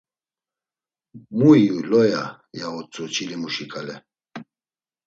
“Mu iyu Loya?” ya utzu çilimuşi ǩale.